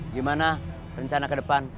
gimana rencana ke depan